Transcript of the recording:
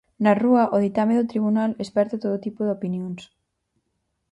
Na rúa, o ditame do tribunal esperta todo tipo de opinións.